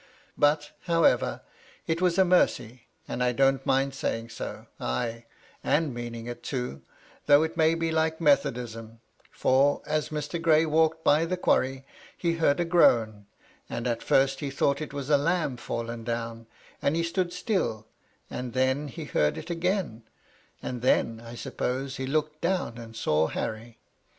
But, however, it was a mercy, and I don't mind saymg so, ay, and meaning it too, though it may be like methodism, for, as Mr. Gray walked by the quarry, he heard a groan, and at first he thought it was a lamb fallen down; and he stood still, and then he heard it again ; and then, I suppose, he looked down and saw Harry.